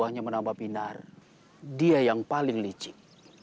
hanya menambah binar dia yang paling licik